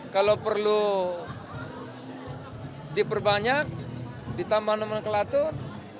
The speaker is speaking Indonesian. kalau perlu diperbanyak ditambah nomor kelatur